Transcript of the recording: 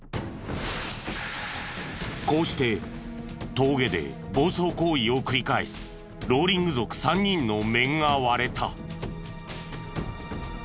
こうして峠で暴走行為を繰り返すローリング族３人の面が割れた。